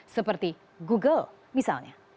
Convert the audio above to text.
seperti google misalnya